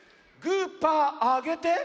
グーパーあげて。